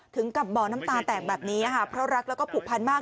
ถึงกับบ่อน้ำตาแตกแบบนี้ค่ะเพราะรักแล้วก็ผูกพันมาก